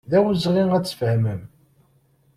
D awezɣi ad tfehmem.